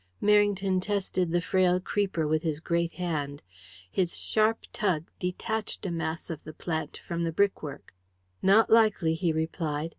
Merrington tested the frail creeper with his great hand. His sharp tug detached a mass of the plant from the brickwork. "Not likely," he replied.